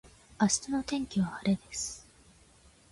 明日の天気は晴れです